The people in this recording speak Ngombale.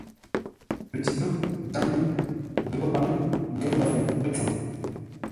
Pətíkáŋ, nkaŋ-ŋuu, ghəpə́ paŋə, ngər mbəfuŋ pətsəm.